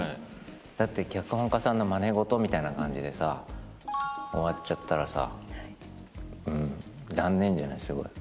だって脚本家さんのまね事みたいな感じでさ終わっちゃったらさ残念じゃないすごい。